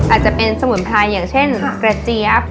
อาจจะเป็นสมุนไพรอย่างเช่นกระเจี๊ยบ